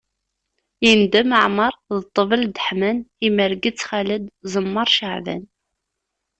Yendem Ɛmeṛ, D Ṭṭbel Deḥman, Imerreg-itt Xaled, Ẓemmer Ceɛban.